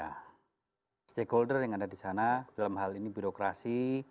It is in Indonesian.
karena stakeholder yang ada di sana dalam hal ini birokrasi